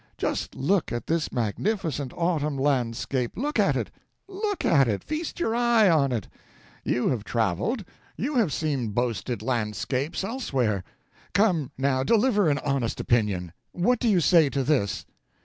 Just look at this magnificent autumn landscape! Look at it! look at it! Feast your eye on it! You have traveled; you have seen boasted landscapes elsewhere. Come, now, deliver an honest opinion. What do you say to this?"